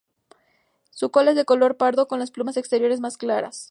Su cola es de color pardo con las plumas exteriores más claras.